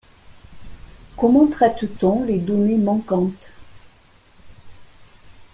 Comment traite-t-on les données manquantes?